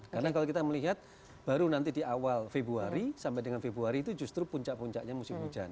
karena kalau kita melihat baru nanti di awal februari sampai dengan februari itu justru puncak puncaknya musim hujan